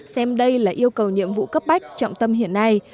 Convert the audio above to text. xem đây là yêu cầu nhiệm vụ cấp bách trọng tâm hiện nay